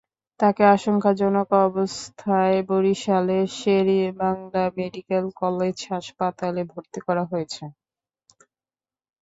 তাঁকে আশঙ্কাজনক অবস্থায় বরিশালের শের-ই-বাংলা মেডিকেল কলেজ হাসপাতালে ভর্তি করা হয়েছে।